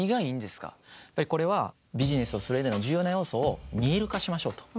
これはビジネスをする上での重要な要素を見える化しましょうと。